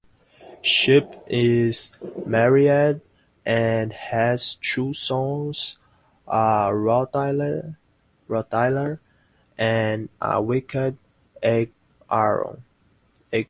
Chip is married and has two sons, a rottweiler, and a wicked eight-iron.